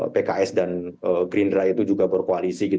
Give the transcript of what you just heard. pks dan green dry itu juga berkoalisi